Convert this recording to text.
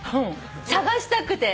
探したくて。